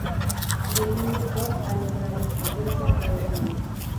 El indie pop ha logrado expandirse a todo el mundo.